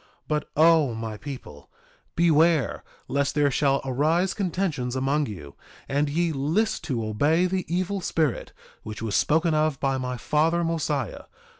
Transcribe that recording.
2:32 But, O my people, beware lest there shall arise contentions among you, and ye list to obey the evil spirit, which was spoken of by my father Mosiah.